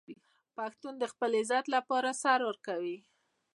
پښتون د خپل عزت لپاره سر ورکوي.